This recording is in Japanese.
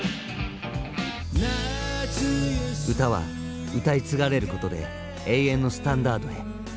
「歌は歌い継がれることで永遠のスタンダードへ」。